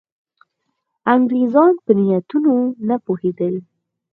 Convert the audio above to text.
انګرېزان په نیتونو نه پوهېدل.